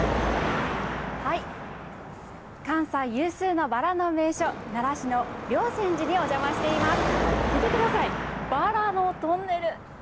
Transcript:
関西有数のバラの名所、奈良市の霊山寺にお邪魔しています。